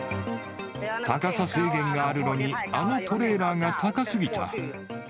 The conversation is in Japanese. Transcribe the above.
高さ制限があるのに、あのトレーラーが高すぎた。